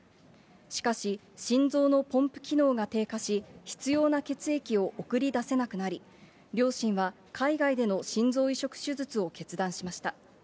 しかし、心臓のポンプ機能が低下し、必要な血液を送り出せなくなり、両親は海外での心臓移植手術を決断しました。